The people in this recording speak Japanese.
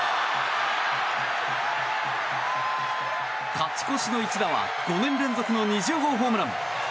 勝ち越しの一打は５年連続の２０号ホームラン！